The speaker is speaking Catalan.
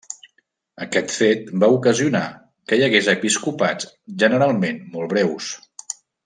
Aquest fet va ocasionar que hi hagués episcopats generalment molt breus.